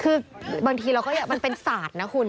คือบางทีเราก็อยากมันเป็นสาดนะคุณ